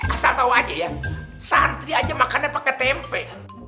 asal tau aja ya santri aja makannya pake tempe